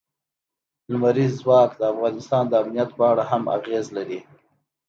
لمریز ځواک د افغانستان د امنیت په اړه هم اغېز لري.